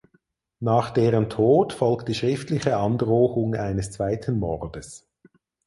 Nach deren Tod folgt die schriftliche Androhung eines zweiten Mordes.